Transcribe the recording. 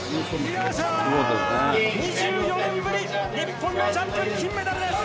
２４年ぶり日本のジャンプ金メダルです。